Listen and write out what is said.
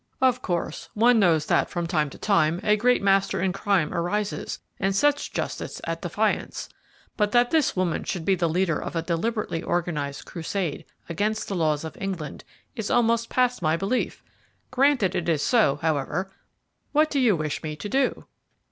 "Of course, one knows that from time to time a great master in crime arises and sets justice at defiance; but that this woman should be the leader of a deliberately organized crusade against the laws of England is almost past my belief. Granted it is so, however, what do you wish me to do?"